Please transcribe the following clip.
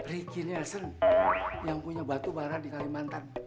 ricky nelson yang punya batu barang di kalimantan